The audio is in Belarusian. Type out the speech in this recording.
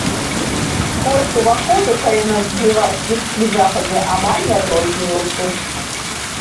Кошт уваходу, калі набываць квіткі загадзя, амаль не адрозніваўся.